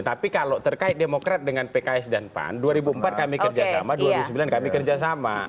tapi kalau terkait demokrat dengan pks dan pan dua ribu empat kami kerjasama dua ribu sembilan kami kerjasama